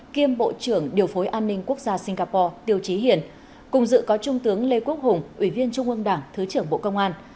kiêm bộ trưởng điều phối an ninh quốc gia singapore tiêu trí hiển cùng dự có trung tướng lê quốc hùng ủy viên trung ương đảng thứ trưởng bộ công an